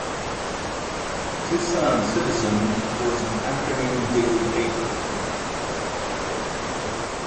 "Tucson Citizen": was an afternoon daily paper.